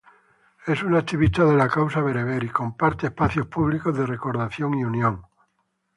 Es una activista de la causa bereber,y comparte espacios públicos de recordación y unión.